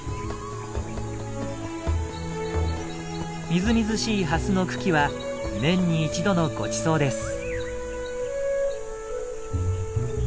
みずみずしいハスの茎は年に一度のごちそうです。